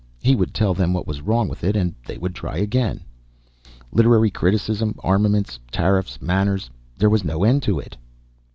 He would tell them what was wrong with it, and they would try again. Literary criticism, armaments, tariffs, manners there was no end to it.